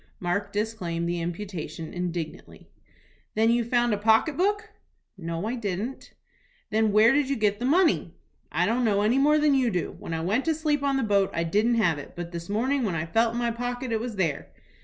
Mark disclaimed the imputation indignantly. "Then you found a pocket book?" "No, I didn't." "Then where did you get the money?" "I don't know any more than you do. When I went to sleep on the boat I didn't have it, but this morning when I felt in my pocket it was there."